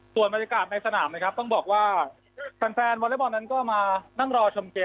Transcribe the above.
ส่วนบรรยากาศในสนามนะครับต้องบอกว่าแฟนแฟนวอเล็กบอลนั้นก็มานั่งรอชมเกม